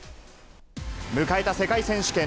迎えた世界選手権。